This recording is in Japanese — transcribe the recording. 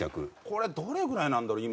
これどれぐらいなんだろう？